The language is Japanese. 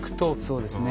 そうですね。